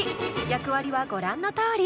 役割はご覧のとおり。